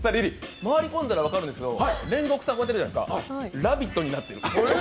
回り込んだら分かるんですけど煉獄さんこうやってるじゃないですか「ラヴィット！」になってる。